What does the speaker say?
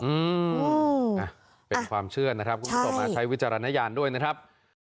อืมอ่ะเป็นความเชื่อนะครับคุณผู้ชมมาใช้วิจารณญาณด้วยนะครับ